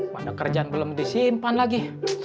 pada kerjaan belum disimpan lagi